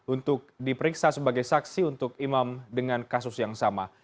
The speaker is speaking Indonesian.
untuk diperiksa sebagai saksi untuk imam dengan kasus yang sama